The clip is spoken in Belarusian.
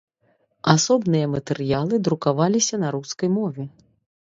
Асобныя матэрыялы друкаваліся на рускай мове.